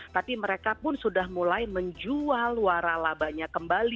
tapi mereka pun sudah mulai menjual waralabanya kembali